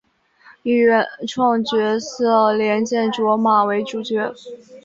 以原创角色莲见琢马为主角。